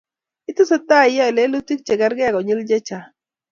Itesetai iyae lelutik che kargei konyil che chang